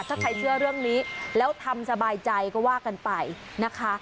ถ้าใครเชื่อเรื่องนี้แล้วทำสบายใจก็ว่ากันไปนะคะ